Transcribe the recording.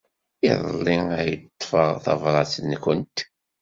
Iḍelli ay d-ḍḍfeɣ tabṛat-nwent.